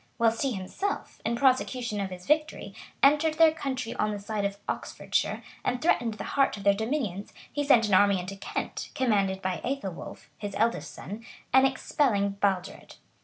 Whilst he himself, In prosecution of his victory, entered their country on the side of Oxfordshire, and threatened the heart of their dominions, he sent an army into Kent, commanded by Ethelwolph, his eldest son,[] and, expelling Baldred.